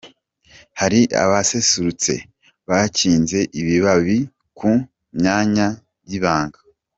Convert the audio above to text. Hari abaserutse bakinze ibibabi ku myanya y’ibanga.